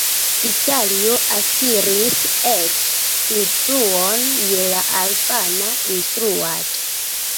Italio akiris eĉ influon je la albana instruado.